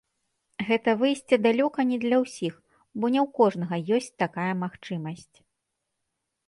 Гэта выйсце далёка не для ўсіх, бо не ў кожнага ёсць такая магчымасць.